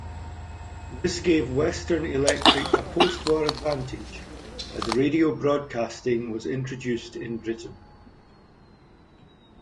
This gave Western Electric a post-war advantage as radio broadcasting was introduced in Britain.